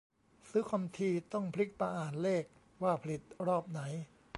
ซื้อคอมทีต้องพลิกมาอ่านเลขว่าผลิตรอบไหน